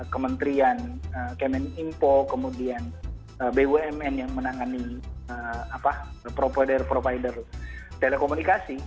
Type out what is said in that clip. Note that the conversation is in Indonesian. kementerian kemeninpo kemudian bumn yang menangani provider provider telekomunikasi